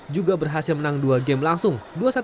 juga berhasil menang dua game langsung